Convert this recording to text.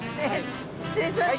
失礼します！